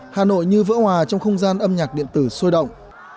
hà nội như vỡ hòa trong không gian âm nhạc điện tử sôi động